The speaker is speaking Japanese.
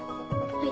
はい。